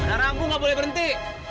ada rambu gak boleh berhenti